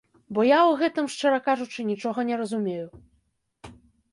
Бо я ў гэтым, шчыра кажучы, нічога не разумею.